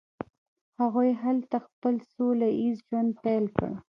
هغوی هلته خپل سوله ایز ژوند پیل کړ.